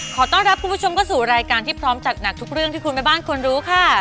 ขอต้อนรับคุณผู้ชมเข้าสู่รายการที่พร้อมจัดหนักทุกเรื่องที่คุณแม่บ้านควรรู้ค่ะ